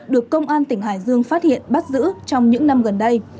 được công an tỉnh hải dương phát hiện bắt giữ trong những năm gần đây